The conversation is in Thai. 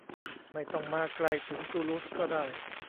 ไม่ต้องมาไกลถึงตูลูสก็ได้